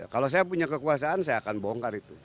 kalau saya punya kekuasaan saya akan bongkar itu